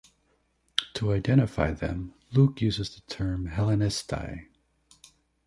To identify them, Luke uses the term Hellenistai.